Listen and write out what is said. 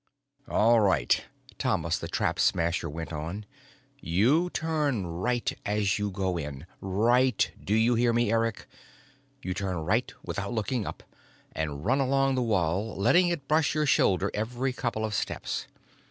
"All right," Thomas the Trap Smasher went on. "You turn right as you go in. Right, do you hear me, Eric? You turn right, without looking up, and run along the wall, letting it brush your shoulder every couple of steps.